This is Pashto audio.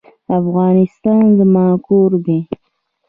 افغانستان زما کور دی